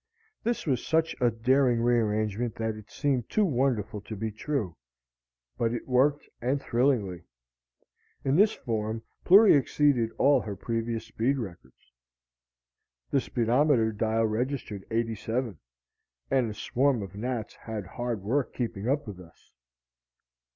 This was such a daring rearrangement that it seemed too wonderful to be true. But it worked, and thrillingly. In this form Plury exceeded all her previous speed records. The speedometer dial registered 87, and a swarm of gnats had hard work keeping up with us.